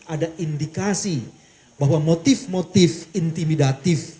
ada indikasi bahwa motif motif intimidatif